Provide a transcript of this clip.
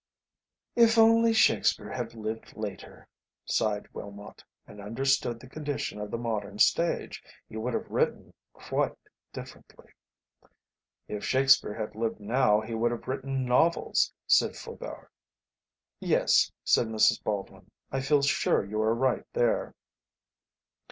"If only Shakespeare had lived later," sighed Willmott, "and understood the condition of the modern stage, he would have written quite differently." "If Shakespeare had lived now he would have written novels," said Faubourg. "Yes," said Mrs. Baldwin, "I feel sure you are right there."